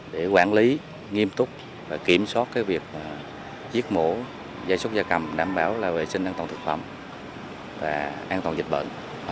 để quản lý nghiêm túc và kiểm soát việc giết mổ giải xuất gia cầm đảm bảo vệ sinh an toàn thực phẩm và an toàn dịch bệnh